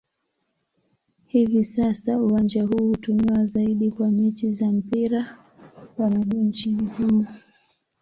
Hivi sasa uwanja huu hutumiwa zaidi kwa mechi za mpira wa miguu nchini humo.